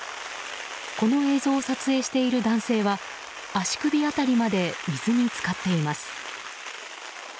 この映像を撮影している男性は足首辺りまで水に浸かっています。